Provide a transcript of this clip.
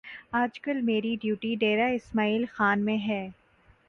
آج کل میری ڈیوٹی ڈیرہ اسماعیل خان میں ہے